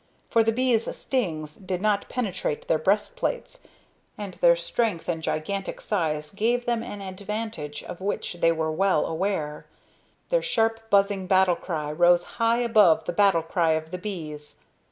For the bees' stings did not penetrate their breastplates, and their strength and gigantic size gave them an advantage of which they were well aware. Their sharp, buzzing battle cry rose high above the battle cry of the bees.